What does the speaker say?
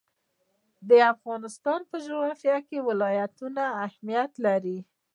د افغانستان په جغرافیه کې ولایتونه اهمیت لري.